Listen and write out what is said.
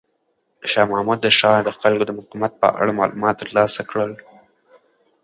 شاه محمود د ښار د خلکو د مقاومت په اړه معلومات ترلاسه کړل.